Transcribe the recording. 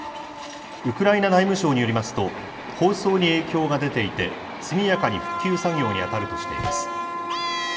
ウクライナ内務省によりますと、放送に影響が出ていて、速やかに復旧作業に当たるとしています。